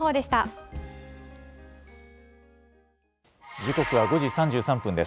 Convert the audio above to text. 時刻は５時３３分です。